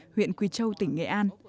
huyện quỳ châu tỉnh nghệ an